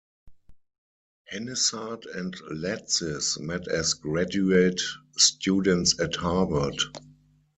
Henissart and Latsis met as graduate students at Harvard.